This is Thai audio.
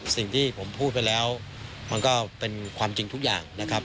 สิ่งที่ผมพูดไปแล้วมันก็เป็นความจริงทุกอย่างนะครับ